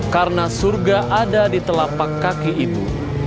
karena surga ada di telapak kaki ibu